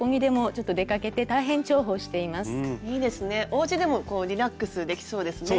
おうちでもリラックスできそうですね。